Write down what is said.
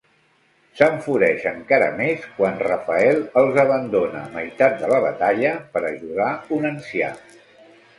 S'enfureix encara més quan Rafael els abandona a meitat de la batalla per ajudar un ancià.